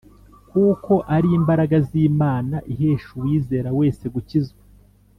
kuko ari imbaraga y’Imana ihesha uwizera wese gukizwa